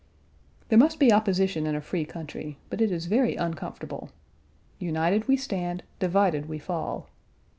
There must be opposition in a free country. But it is very uncomfortable. "United we stand, divided we fall."